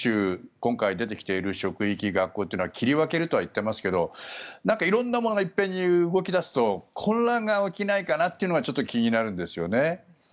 今回、出てきている職域、学校というのは切り分けるとは言っていますが色んなものが一遍に動き出すと混乱が起きないかなというのがちょっと気になるんですよね。